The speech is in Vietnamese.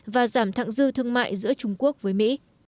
và giảm thẳng dư thương mại giữa trung quốc với mỹ